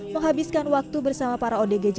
menghabiskan waktu bersama para odgj